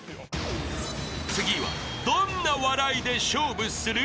［次はどんな笑いで勝負する？］